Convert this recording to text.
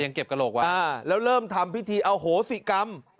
อ๋อแต่ยังเก็บกระโหลกไว้อ่าแล้วเริ่มทำพิธีเอาโหสิกรรม